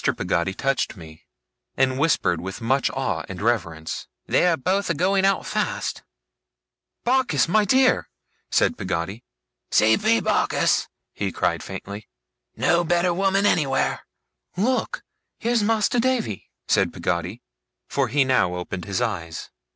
Peggotty touched me, and whispered with much awe and reverence. 'They are both a going out fast.' 'Barkis, my dear!' said Peggotty. 'C. P. Barkis,' he cried faintly. 'No better woman anywhere!' 'Look! Here's Master Davy!' said Peggotty. For he now opened his eyes.